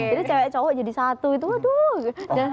jadi cewek cowok jadi satu itu aduh